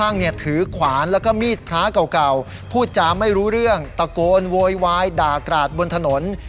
ถือขวานแล้วก็มีดพระเก่าพูดจาไม่รู้เรื่องตะโกนโวยวายด่ากราดบนถนน